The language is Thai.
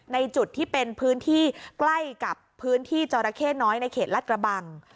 ในจุดที่เป็นพื้นที่ใกล้กับพื้นที่จราเข้น้อยในเขตรัฐกระบัง